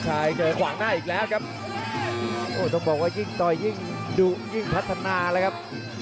กระโดยสิ้งเล็กนี่ออกกันขาสันเหมือนกันครับ